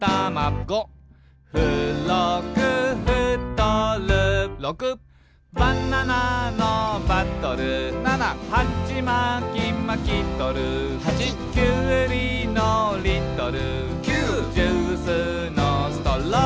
「ご」「ふろくふとる」「ろく」「バナナのバトル」「ナナ」「はちまきまきとる」「はち」「きゅうりのリトル」「きゅう」「ジュースのストロー」